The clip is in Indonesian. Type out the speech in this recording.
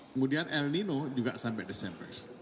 kemudian el nino juga sampai desember